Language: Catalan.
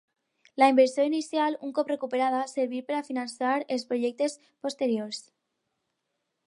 La inversió inicial, un cop recuperada, servir per a finançar els projectes posteriors.